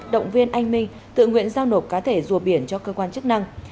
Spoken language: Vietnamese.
động viên anh minh tự nguyện giao nộp cá thể rùa biển cho cơ quan chức năng